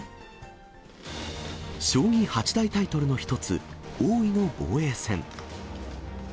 将棋八大タイトルの一つ、王位の防衛戦。